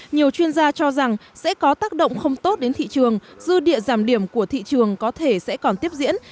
nhiều chuyên gia cho rằng sẽ có tác động không tốt đến thị trường dư địa giảm điểm của thị trường có thể sẽ còn tiếp diễn